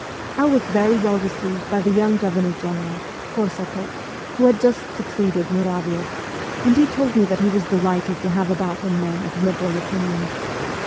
I was very well received by the young Governor General, Korsakoff, who had just succeeded Muravioff, and he told me that he was delighted to have about him men of liberal opinions.